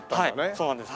そうなんです。